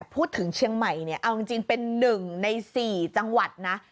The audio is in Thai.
พูดถึงเชียงใหม่เนี่ยเอาจริงเป็น๑ใน๔จังหวัดนะ